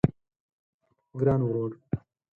ګران ورور